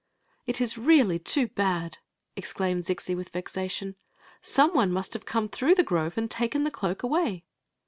" It is really too bad !" exclaimed Zixi, with vexa tion. " Some one must have come through die grove and taken the cloak away."